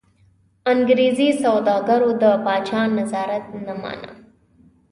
انګرېزي سوداګرو د پاچا نظارت نه مانه.